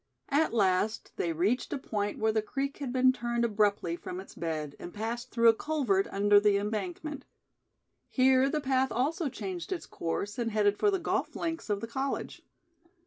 At last they reached a point where the creek had been turned abruptly from its bed and passed through a culvert under the embankment. Here the path also changed its course and headed for the golf links of the college.